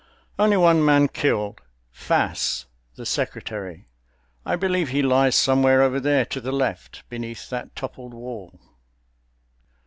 "Only one man killed—Fass, the Secretary; I believe he lies somewhere over there to the left, beneath that toppled wall."